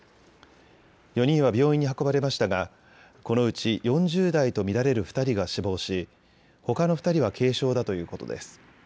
４人は病院に運ばれましたがこのうち４０代と見られる２人が死亡し、ほかの２人は軽傷だということです。